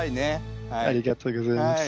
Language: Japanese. ありがとうございます。